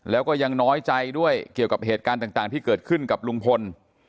แล้วก็ยังน้อยใจด้วยเกี่ยวกับเหตุการณ์ต่างที่เกิดขึ้นกับลุงพล